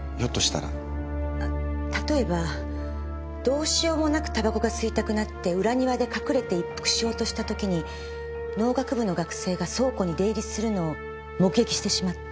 例えばどうしようもなく煙草が吸いたくなって裏庭で隠れて一服しようとした時に農学部の学生が倉庫に出入りするのを目撃してしまった。